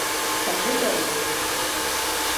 Kalli Jauro.